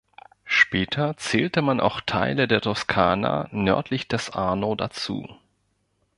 Später zählte man auch Teile der Toskana nördlich des Arno dazu.